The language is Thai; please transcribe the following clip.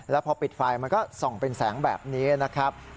แล้วพอปิดไฟมันก็ส่องเป็นแสงแบบนี้นะครับ